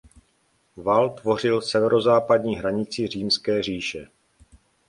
Val tvořil severozápadní hranici Římské říše.